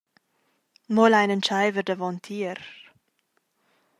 Mo lein entscheiver davontier.